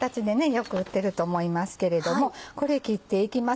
よく売ってると思いますけれどもこれ切っていきます。